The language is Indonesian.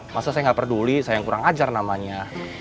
masa saya nggak peduli saya yang kurang ajar namanya